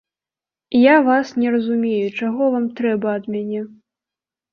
Я вас не разумею, і чаго вам трэба ад мяне?